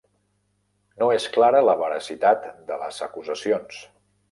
No és clara la veracitat de les acusacions.